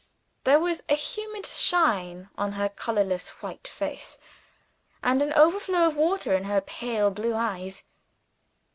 There was a humid shine on her colorless white face, and an overflow of water in her pale blue eyes.